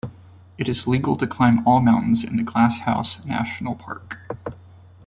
It is legal to climb all mountains in the Glasshouse National Park.